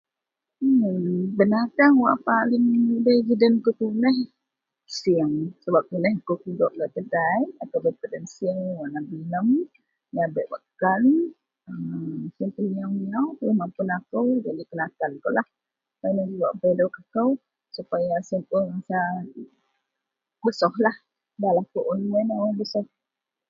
Binatang wak paling mudei den ko ji sieng sebab suab tuneh aku kudok gak kedai aku bei peden sieng yian bilam menyabek wak kan sian mapun aku bei ji wak kan kenakan aku lah supaya sien besoh da la aku un besoh.